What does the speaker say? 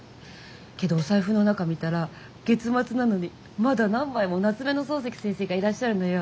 けどお財布の中見たら月末なのにまだ何枚も夏目の漱石先生がいらっしゃるのよ。